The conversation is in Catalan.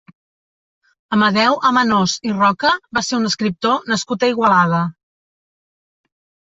Amadeu Amenós i Roca va ser un escriptor nascut a Igualada.